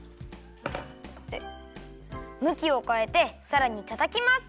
でむきをかえてさらにたたきます！